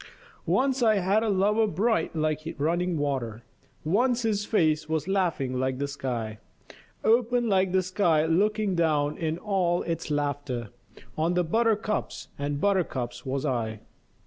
Once I had a lover bright like running water, Once his face was laughing like the sky; Open like the sky looking down in all its laughter On the buttercups and buttercups was I.